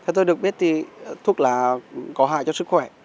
theo tôi được biết thuốc hạt là có hại cho sức khỏe